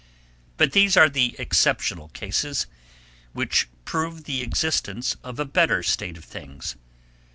But these are the exceptional cases, which prove the existence of a better state of things.